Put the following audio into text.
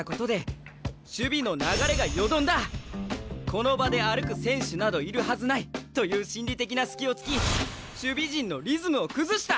この場で歩く選手などいるはずないという心理的な隙をつき守備陣のリズムを崩した。